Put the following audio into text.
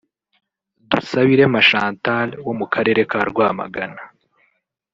Dusabirema Chantal wo mu karere ka Rwamagana